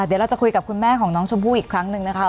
เดี๋ยวเราจะคุยกับคุณแม่ของน้องชมพู่อีกครั้งหนึ่งนะคะ